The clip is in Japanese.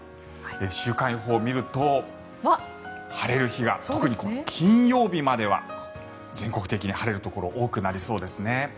週間予報を見ると晴れる日が特に金曜日までは全国的に晴れるところ多くなりそうですね。